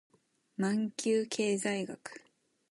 マンキュー経済学